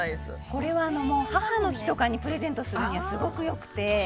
これは母の日とかにプレゼントするにはすごく良くて。